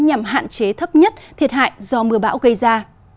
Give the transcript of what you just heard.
nhằm hạn chế thấp nhất thiệt hại do mưa bão gây ra